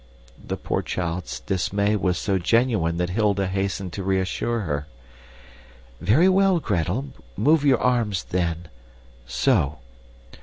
The poor child's dismay was so genuine that Hilda hastened to reassure her. "Very well, Gretel, move your arms then so.